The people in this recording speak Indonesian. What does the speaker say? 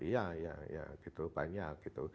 banyak iya iya gitu banyak gitu